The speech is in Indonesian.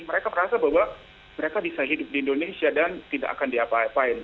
mereka merasa bahwa mereka bisa hidup di indonesia dan tidak akan diapa apain